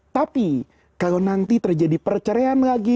tapi kalau nanti terjadi perceraian lagi